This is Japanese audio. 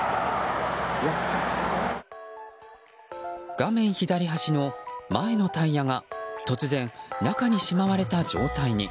画面左端の前のタイヤが突然、中にしまわれた状態に。